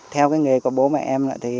theo nghề của bố mẹ em